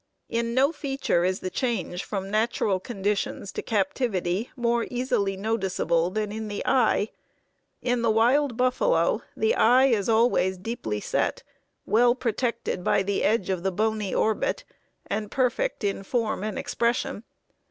In no feature is the change from natural conditions to captivity more easily noticeable than in the eye. In the wild buffalo the eye is always deeply set, well protected by the edge of the bony orbit, and perfect in form and expression.